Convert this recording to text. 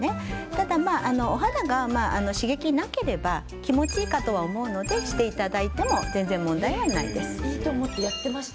ただお肌に刺激がなければ気持ちいいかと思うのでやっていただいても問題はないです。